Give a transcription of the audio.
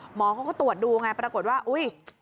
หมอเขาก็ตรวจดูไงปรากฏว่าอุ๊ย